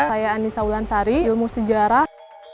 saya anissa ulansari ilmu sejarah